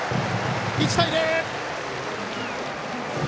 １対０。